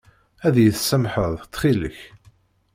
Ad iyi-tsamḥeḍ ttxil-k?